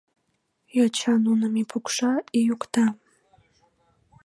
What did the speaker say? Йоча нуным и пукша, и йӱкта.